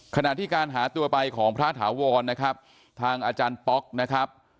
ขณะที่การหาตัวไปของพระถาวรนะครับทางอาจารย์ป๊อกนะครับ